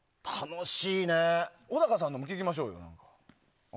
小高さんのも聞きましょうよ。